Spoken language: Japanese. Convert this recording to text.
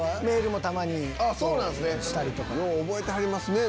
よう覚えてはりますね。